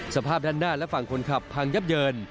สภาพด้านหน้าและฝั่งคนขับพังยับเยิน